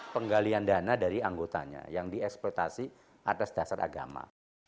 penggalian dana dari anggotanya yang dieksploitasi atas dasar agama